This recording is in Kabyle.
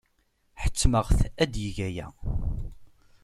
Ḥettmeɣ-t ad yeg aya.